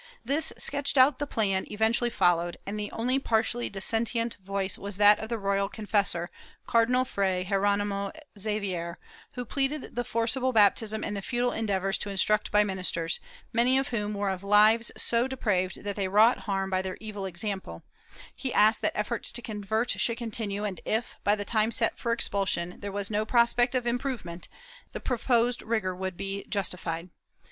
This sketched out the plan eventually followed, and the only partially dissentient voice was that of the royal confessor, Cardinal Fray Geronimo Xavierr, who pleaded the forcible baptism and the futile endeavors to instruct by ministers, many of whom were of fives so depraved that they wrought harm by their evil example; he asked that efforts to convert should continue and if, by the time set for expulsion, there was no prospect of improve ment, the proposed rigor would be justified.